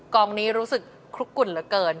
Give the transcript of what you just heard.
กองนี้รู้สึกคลุกกุ่นเหลือเกิน